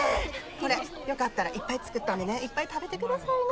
これよかったらいっぱい作ったんでねいっぱい食べてくださいな。